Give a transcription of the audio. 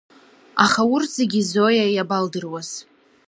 Аха урҭ зегьы Зоиа иабалдыруаз.